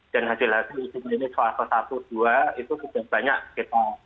dan hasil hasil uji klinis pfizer satu dan dua itu sudah banyak